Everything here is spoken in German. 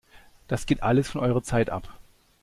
Das geht alles von eurer Zeit ab!